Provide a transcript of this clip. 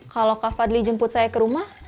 kalau kak fadli jemput saya ke rumah